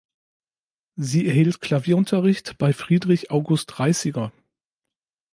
Sie erhielt Klavierunterricht bei Friedrich August Reißiger.